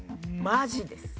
マジです。